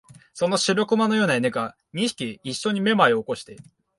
その白熊のような犬が、二匹いっしょにめまいを起こして、